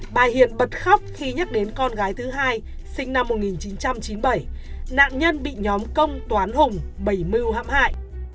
bà hiền bật khóc khi nhắc đến con gái thứ hai sinh năm một nghìn chín trăm chín mươi bảy nạn nhân bị nhóm công toán hùng bảy mươi hãm hại